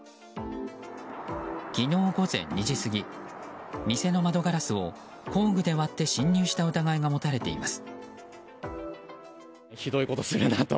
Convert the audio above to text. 昨日午前２時過ぎ店の窓ガラスを工具で割って侵入した疑いが持たれています。